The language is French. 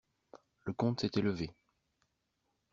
Le comte s'était levé.